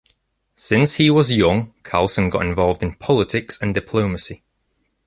Since he was young, Carlsson got involved in politics and diplomacy.